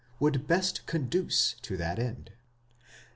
would best ᾿ς conduce to that end.